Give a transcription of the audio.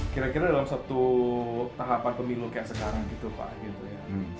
kira kira dalam satu tahapan pemilu kayak sekarang gitu pak gitu ya